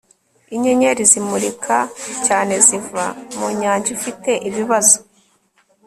Inyenyeri zimurika cyane ziva mu nyanja ifite ibibazo